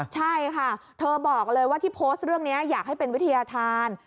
ใช่ค่ะเธอบอกเลยว่าที่โพสต์เรื่องนี้อยากให้เป็นวิทยาธาร